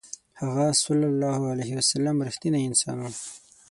هغه ﷺ رښتینی انسان و.